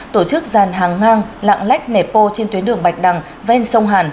tổ chức dàn hàng ngang lạng lách nẹp bô trên tuyến đường bạch đằng ven sông hàn